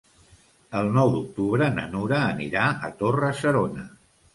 El nou d'octubre na Nura anirà a Torre-serona.